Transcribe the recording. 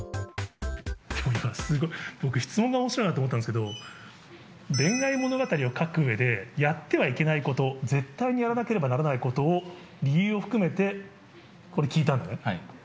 すごい、僕、質問がおもしろいなと思ったんですけど、恋愛物語を書くうえで、やってはいけないこと、絶対にやらなければならないことを、理由を含めて、これ、聞いたんだね。